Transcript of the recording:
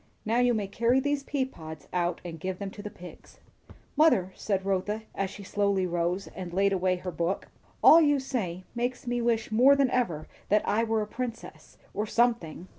Now you may carry these pea pods out and give them to the pigs." "Mother," said Rotha as she slowly rose and laid away her book, "all you say makes me wish more than ever that I were a princess, or something."